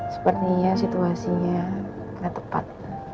sepertinya situasinya nggak tepat